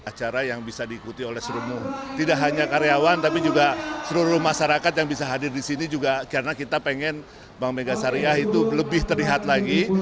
acara yang bisa diikuti oleh seluruh tidak hanya karyawan tapi juga seluruh masyarakat yang bisa hadir di sini juga karena kita pengen bank mega syariah itu lebih terlihat lagi